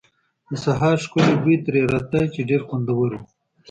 د سهار ښکلی بوی ترې راته، چې ډېر خوندور و.